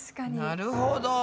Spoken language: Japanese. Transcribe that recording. なるほど。